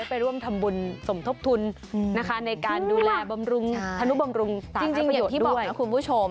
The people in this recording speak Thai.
ไปร่วมทำบุญสมทบทุนนะคะในการดูแลบำรุงธนุบำรุงสาขาประโยชน์ด้วย